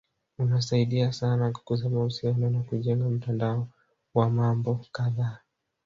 Unasaidia sana kukuza mahusiano na kujenga mtandao wa mambo kadhaa